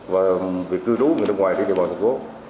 và việc cư trú người nước ngoài trên địa bàn thành phố